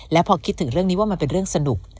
และพอคิดถึงเรื่องนี้ว่ามันเป็นเรื่องสนุก